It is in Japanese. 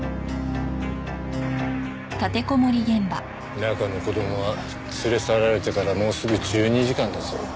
中の子供は連れ去られてからもうすぐ１２時間だぞ。